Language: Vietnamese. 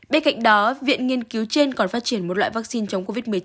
bên cạnh đó viện nghiên cứu trên còn phát triển một loại vaccine chống covid một mươi chín